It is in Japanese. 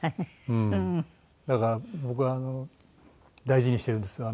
だから僕は大事にしてるんです